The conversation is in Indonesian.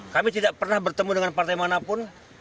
kami tidak pernah bertemu dengan partai manapun